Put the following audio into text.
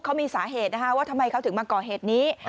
เขามีสาเหตุนะคะว่าทำไมเขาถึงมาก่อเหตุนี้